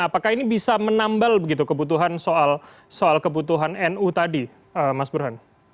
apakah ini bisa menambal begitu kebutuhan soal kebutuhan nu tadi mas burhan